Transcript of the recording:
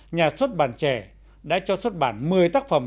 nhà xuất bản trẻ đã cho xuất bản một mươi tác phẩm